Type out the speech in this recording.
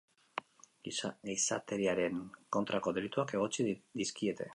Gizateriaren kontrako delituak egotzi dizkiete.